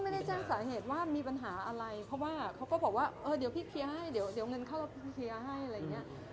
ไม่ได้แจ้งสาเหตุว่ามีปัญหาอะไรเพราะว่าเขาก็บอกว่าเออเดี๋ยวพี่เคลียร์ให้เดี๋ยวเงินเข้าแล้วพี่เคลียร์ให้อะไรอย่างเงี้ย